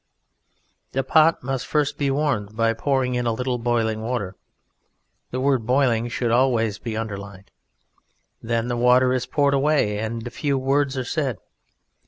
The Pot must first be warmed by pouring in a little boiling water (the word boiling should always be underlined); then the water is poured away and a few words are said.